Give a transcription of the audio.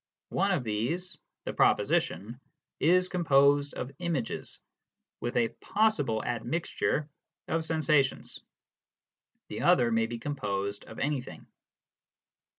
One of these, the proposition, is composed of images, with a possible admixture of sensations ; the other may be composed of anything.